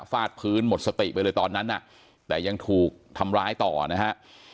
ฟาดพื้นหมดสติไปเลยตอนนั้นน่ะแต่ยังถูกทำร้ายต่อนะฮะ